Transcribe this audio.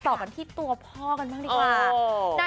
ต่อกันที่ตัวพ่อกันบ้างดีกว่า